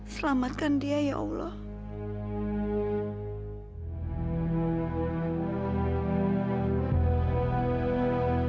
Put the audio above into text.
selamatkan dia ya allah